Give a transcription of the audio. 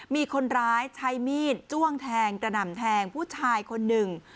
มีคนร้ายใช้มีดจ้วงแทงกระหน่ำแทงผู้ชายคนหนึ่ง